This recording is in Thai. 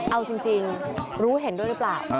เอาจริงรู้เห็นด้วยหรือเปล่า